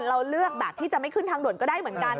เราเลือกแบบที่จะไม่ขึ้นทางด่วนก็ได้เหมือนกัน